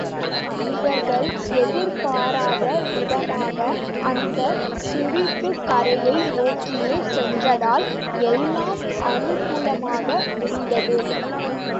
இவர்கள் எதிர்பாராத விதமாக அந்தச் சுழிப்பு கரையை நோக்கியே சென்றதால் எல்லாம் அனுகூலமாக முடிந்தது.